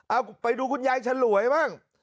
เอาไปดูคุณยายฉลวยบ้าง